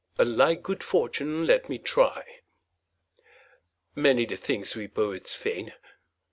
'A like good fortune let me try.' Many the things we poets feign.